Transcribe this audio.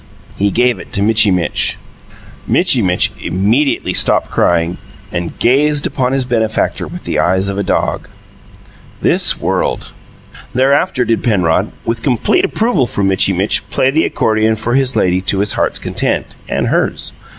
He gave it to Mitchy Mitch. Mitchy Mitch immediately stopped crying and gazed upon his benefactor with the eyes of a dog. This world! Thereafter did Penrod with complete approval from Mitchy Mitch play the accordion for his lady to his heart's content, and hers.